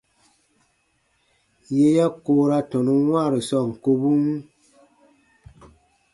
Yè ya koora tɔnun wãaru sɔɔn kobun.